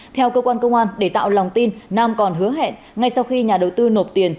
theo cơ quan công an để tạo lòng tin nam còn hứa hẹn ngay sau khi nhà đầu tư nộp tiền